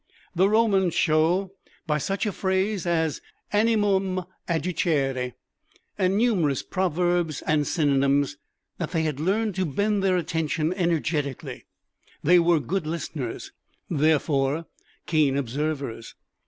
The Romans show by such a phrase as animum adjicere, and numerous proverbs and synonyms, that they had learned to bend their attention energetically. They were good listeners, therefore keen observers.